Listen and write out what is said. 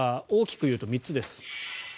大きく言うと３つです。